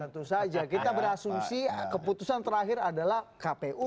tentu saja kita berasumsi keputusan terakhir adalah kpu